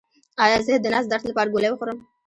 ایا زه د نس درد لپاره ګولۍ وخورم؟